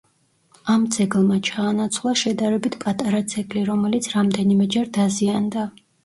ამ ძეგლმა ჩაანაცვლა შედარებით პატარა ძეგლი, რომელიც რამდენიმეჯერ დაზიანდა.